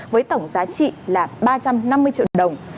với tổng giá trị là ba trăm năm mươi triệu đồng